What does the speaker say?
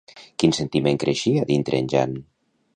Quin sentiment creixia dintre en Jan?